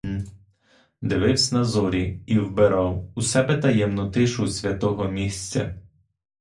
Дививсь на зорі і вбирав у себе таємну тишу святого місця.